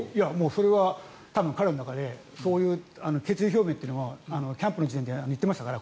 それは彼の中でそういう決意表明というのはキャンプの時点でも言ってましたから。